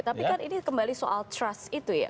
tapi kan ini kembali soal trust itu ya